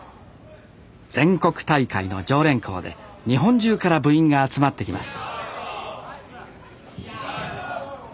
全国大会の常連校で日本中から部員が集まってきます